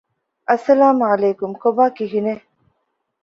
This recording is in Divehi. އައްސަލާމު ޢަލައިކުމް ކޮބާ ކިހިނެތް؟